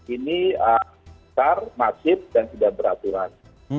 ini besar masif dan sudah beraturan